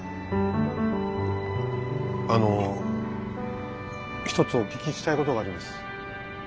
あの１つお聞きしたいことがあります。